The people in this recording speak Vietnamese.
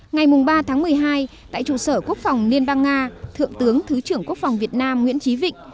ngày ba tháng một mươi hai tại trụ sở quốc phòng liên bang nga thượng tướng thứ trưởng quốc phòng việt nam nguyễn trí vịnh